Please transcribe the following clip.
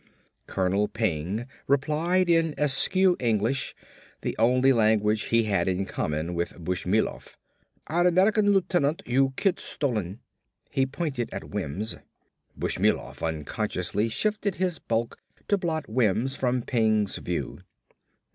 Colonel Peng replied in an askew English, the only language he had in common with Bushmilov. "Our American lieutenant, you kid stolen." He pointed at Wims. Bushmilov unconsciously shifted his bulk to blot Wims from Peng's view.